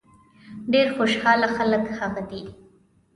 ډېر خوشاله خلک هغه دي.